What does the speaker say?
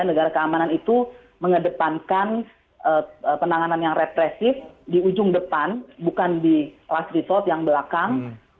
negara keamanan itu mengedepankan penanganan yang represif di ujung depan bukan di last resort yang belakang